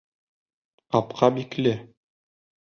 Ҡапҡа бикле!